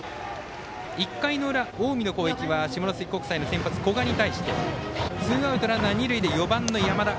１回の裏、近江の攻撃は下関国際の先発古賀に対してツーアウトランナー、二塁で４番の山田。